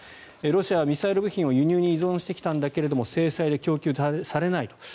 ロシアはミサイル部品を輸入に依存してきたんだけども制裁で供給されないと。